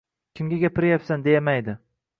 Kimga gapiryapsan demaydi!